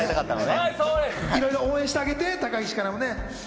いろいろ応援してあげて、高岸からも。